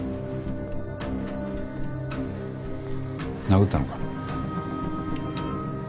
殴ったのか？